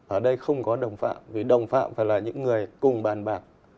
ở đây không có đồng phạm vì đồng phạm phải là những người cùng bàn bạc